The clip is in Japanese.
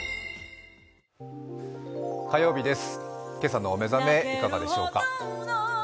火曜日です、今朝のお目覚めいかがでしょうか。